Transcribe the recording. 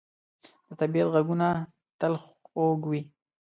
د طبیعت ږغونه تل خوږ وي.